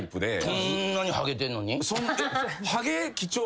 そんなにハゲてんのに？